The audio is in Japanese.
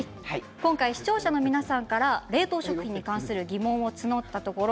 視聴者の皆さんから冷凍食品に関する疑問を募ったところ